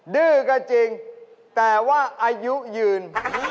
ดื้อก็จริงแต่ว่าอายุยืน